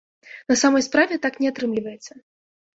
На самай справе, так не атрымліваецца.